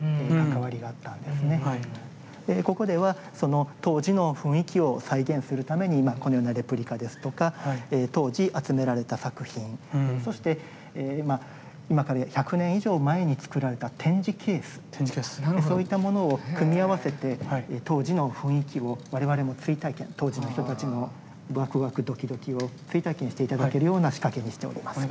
でここではその当時の雰囲気を再現するために今このようなレプリカですとか当時集められた作品そして今から１００年以上前に作られた展示ケースそういったものを組み合わせて当時の雰囲気を我々も追体験当時の人たちのワクワクドキドキを追体験して頂けるような仕掛けにしております。